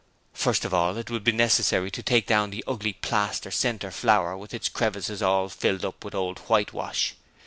First of all it would be necessary to take down the ugly plaster centre flower with its crevices all filled up with old whitewash.